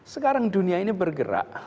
sekarang dunia ini bergerak